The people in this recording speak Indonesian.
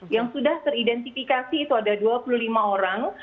yang sudah teridentifikasi itu ada dua puluh lima orang